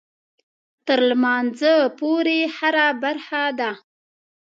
تر لمانځه پورې هره برخه ده.